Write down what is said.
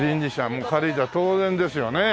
軽井沢当然ですよね。